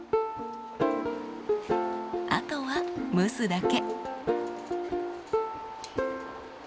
あとは蒸すだけ。